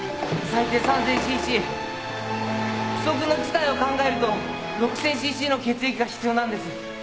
最低３，０００ｃｃ不測の事態を考えると６，０００ｃｃの血液が必要なんです。